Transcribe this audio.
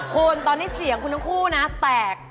คุณตอนนี้เสียงคุณทั้งคู่นะแตก